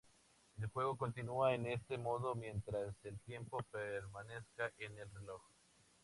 El juego continúa en este modo mientras el tiempo permanezca en el reloj.